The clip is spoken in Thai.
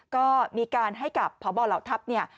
ก็มีการให้กับพบเหล่าทัพเนี่ย